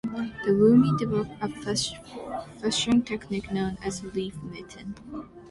The Lummi developed a fishing technique known as reef netting.